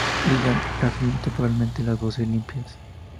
Dylan ha asumido temporalmente las voces limpias.